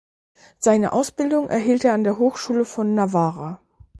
Seine Ausbildung erhielt er an der Hochschule von Navarra.